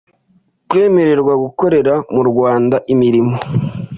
kwemererwa gukorera mu Rwanda imirimo